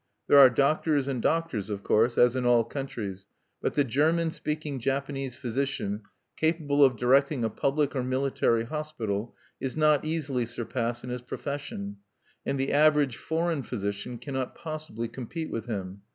There are doctors and doctors, of course, as in all countries; but the German speaking Japanese physician capable of directing a public or military hospital is not easily surpassed in his profession; and the average foreign physician cannot possibly compete with him.